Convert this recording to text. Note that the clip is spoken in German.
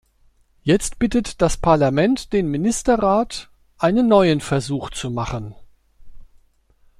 Jetzt bittet das Parlament den Ministerrat, einen neuen Versuch zu machen.